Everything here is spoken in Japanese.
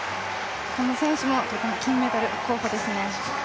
この選手も金メダル候補ですね。